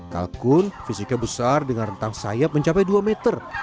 kalkun fisiknya besar dengan rentang sayap mencapai dua meter